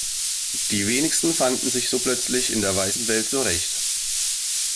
Die wenigsten fanden sich so plötzlich in der weißen Welt zurecht.